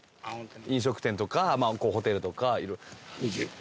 飲食店とかホテルとか。